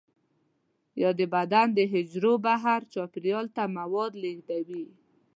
یا د بدن د حجرو بهر چاپیریال ته مواد لیږدوي.